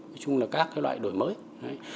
nói chung là các loại đổi mới